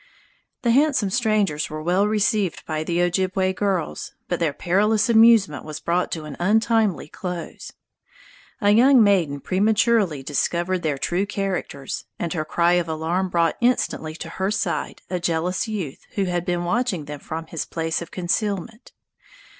The handsome strangers were well received by the Ojibway girls, but their perilous amusement was brought to an untimely close. A young maiden prematurely discovered their true characters, and her cry of alarm brought instantly to her side a jealous youth, who had been watching them from his place of concealment.